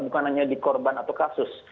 bukan hanya di korban atau kasus